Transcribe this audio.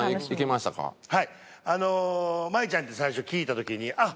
麻衣ちゃんって最初聞いた時にあっ